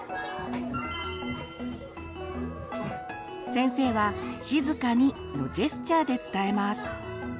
先生は「静かに」のジェスチャーで伝えます。